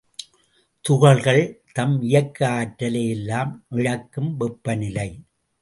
துகள்கள் தம் இயக்க ஆற்றலை எல்லாம் இழக்கும் வெப்பநிலை.